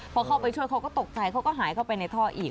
พอเข้าไปช่วยเขาก็ตกใจเขาก็หายเข้าไปในท่ออีก